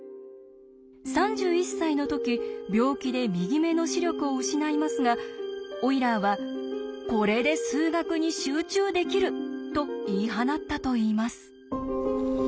３１歳の時病気で右目の視力を失いますがオイラーは「これで数学に集中できる」と言い放ったといいます。